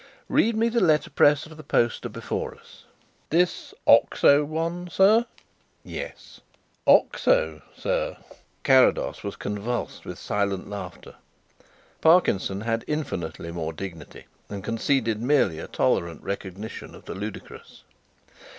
Read me the letterpress of the poster before us." "This 'Oxo' one, sir?" "Yes." "'Oxo,' sir." Carrados was convulsed with silent laughter. Parkinson had infinitely more dignity and conceded merely a tolerant recognition of the ludicrous.